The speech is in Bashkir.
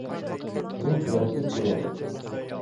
Мин финансист булам